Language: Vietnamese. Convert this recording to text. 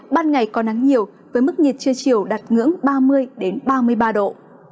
ban ngày có nắng nhiều với mức nhiệt chưa chiều đạt ngưỡng ba mươi đến ba mươi ba độ